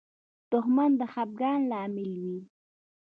دښمن د خفګان لامل وي